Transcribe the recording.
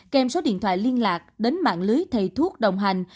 kèm số điện thoại liên lạc đến mạng lưới thầy thuốc đồng hành